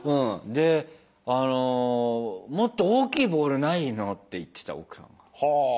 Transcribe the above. であの「もっと大きいボールないの？」って言ってた奥さんが。は！